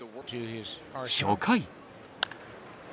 初回。